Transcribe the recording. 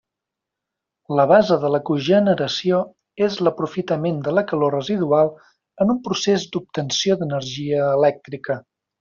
La base de la cogeneració és l'aprofitament de la calor residual en un procés d'obtenció d'energia elèctrica.